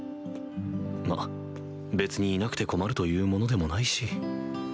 まあ別にいなくて困るというものでもないし。